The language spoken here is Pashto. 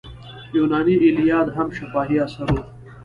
یوناني ایلیاد هم شفاهي اثر و.